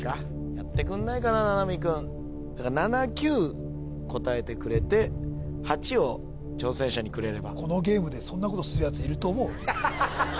やってくんないかな七海君７９答えてくれて８を挑戦者にくれればこのゲームでそんなことするやついると思う？